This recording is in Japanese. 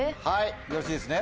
よろしいですね？